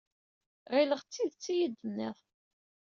Ɣileɣ d tidet i iyi-d-tenniḍ.